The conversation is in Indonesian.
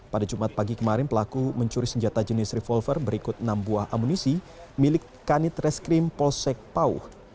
pada jumat pagi kemarin pelaku mencuri senjata jenis revolver berikut enam buah amunisi milik kanit reskrim polsek pauh